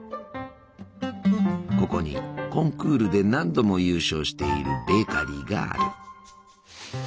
ここにコンクールで何度も優勝しているベーカリーがある。